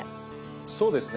そうですね